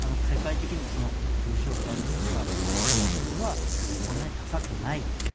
世界的にも重症化率とか死亡率というのはそんなに高くない。